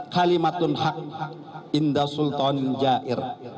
kalimatun haq inda sultan ja'ir